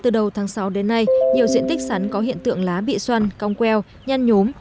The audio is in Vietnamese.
từ đầu tháng sáu đến nay nhiều diện tích sắn có hiện tượng lá bị xoăn cong queo nhan nhốm